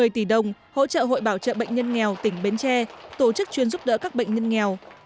một mươi tỷ đồng hỗ trợ hội bảo trợ bệnh nhân nghèo tỉnh bến tre tổ chức chuyên giúp đỡ các bệnh nhân nghèo